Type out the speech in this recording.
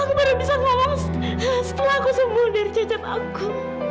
aku baru bisa ngomong setelah aku semundir cacat aku